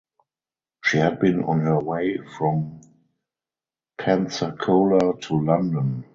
She had been on her way from Pensacola to London.